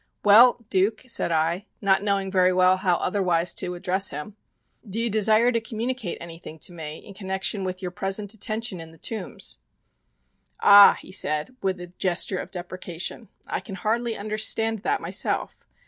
"Well, Duke," said I, not knowing very well how otherwise to address him, "do you desire to communicate anything to me in connection with your present detention in the Tombs?" "Ah," he said with a gesture of deprecation, "I can hardly understand that myself.